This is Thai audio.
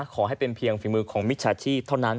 ขอให้เป็นเพียงฝีมือของมิจฉาชีพเท่านั้น